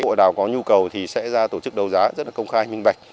bộ nào có nhu cầu thì sẽ ra tổ chức đầu giá rất là công khai minh bạch